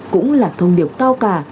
cũng là thông điệp cao cả